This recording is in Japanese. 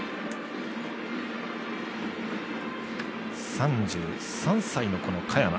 ３３歳の嘉弥真。